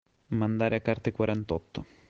Mandare a carte quarantotto.